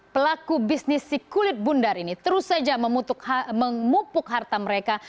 pelaku bisnis si kulit bundar ini terus saja memupuk harta mereka